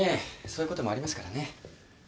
そういうこともありますからね。